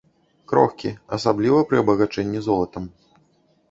Крохкі, асабліва пры абагачэнні золатам.